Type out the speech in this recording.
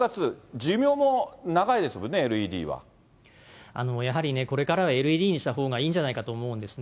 寿命も長やはりね、これからはＬＥＤにしたほうがいいんじゃないかと思うんですね。